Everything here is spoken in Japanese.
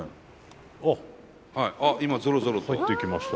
あっ今ゾロゾロと。入ってきました。